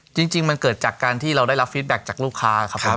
จริงมันเกิดจากการที่เราได้รับฟิตแบ็คจากลูกค้าครับผม